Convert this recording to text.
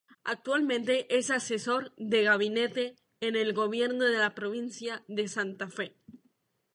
Actualmente es Asesor de Gabinete en el gobierno de la provincia de Santa Fe.